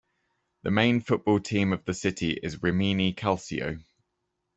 The main football team of the city is Rimini Calcio.